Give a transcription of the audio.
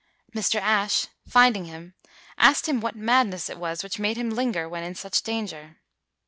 Mr. Ashe finding him asked him what madness it was which made him linger when in such danger.